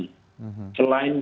selain jantung koroner